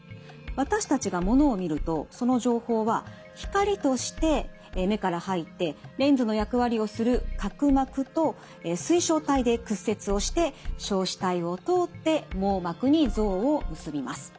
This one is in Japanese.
私たちがものを見るとその情報は光として目から入ってレンズの役割をする角膜と水晶体で屈折をして硝子体を通って網膜に像を結びます。